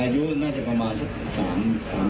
อายุน่าจะประมาณสัก๓๓๗ครับแต่